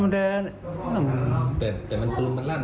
ผมขอโทษครอบครัวผู้ตาย